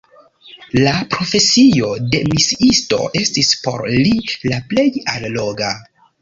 La profesio de misiisto estis por li la plej alloga.